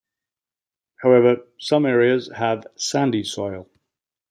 However, some areas have sandy soil.